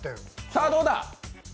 さあどうだ。